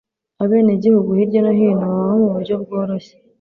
Abenegihugu hirya no hino babaho muburyo bworoshye.